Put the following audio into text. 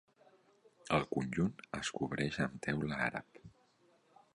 El conjunt es cobreix amb teula àrab.